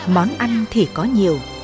món ăn thì có nhiều